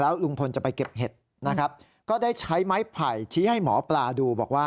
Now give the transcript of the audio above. ลุงพลจะไปเก็บเห็ดนะครับก็ได้ใช้ไม้ไผ่ชี้ให้หมอปลาดูบอกว่า